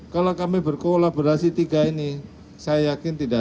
kalau kami berkolaborasi tiga ini saya yakin tidak